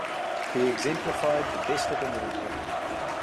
He exemplified the best of America.